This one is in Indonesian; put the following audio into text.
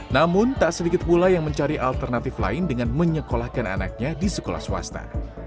namun tak sedikit pula yang mencari alternatif lain dengan menyekolahkan anaknya di sekolah swasta